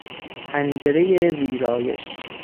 پنجرهی ویرایش